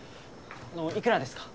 あのいくらですか？